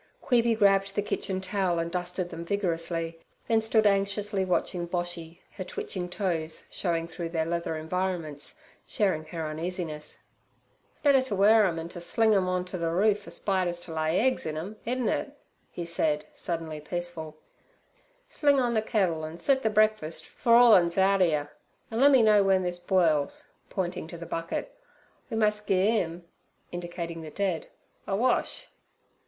Queeby grabbed the kitchen towel and dusted them vigorously, then stood anxiously watching Boshy, her twitching toes, showing through their leather environments, sharing her uneasiness. 'Better ter weer 'em 'en ter sling 'em onter ther roof for spiders t' lay eggs in, iden it?' he said, suddenly peaceful. 'Sling on ther kettle an' set ther breakfuss for all 'an's out 'ere; an' lemme know wen this boils' pointing to the bucket. 'We must gi'e 'im' indicating the dead, 'a wash.'